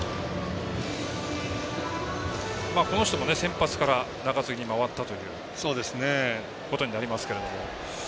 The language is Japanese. この人も、先発から中継ぎに回ったということになりますけども。